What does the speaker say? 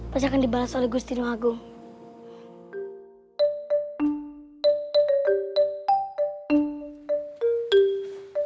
pasti akan dibahas oleh gustino agung